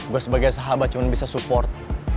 gue sebagai sahabat cuma bisa support